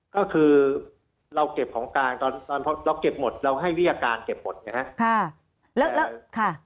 ก็คือเราเก็บของกลางตอนเราเก็บหมดเราให้วิทยาการเก็บหมดนะครับ